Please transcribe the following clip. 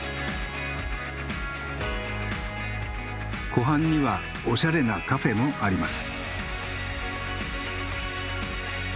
湖畔にはおしゃれなカフェもあります。